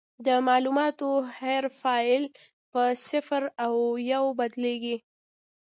د معلوماتو هر فایل په صفر او یو بدلېږي.